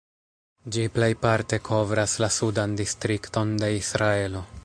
Ĝi plejparte kovras la Sudan Distrikton de Israelo.